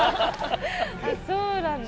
あそうなんだ。